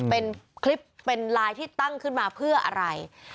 เป็นคลิปเป็นไลน์ที่ตั้งขึ้นมาเพื่ออะไร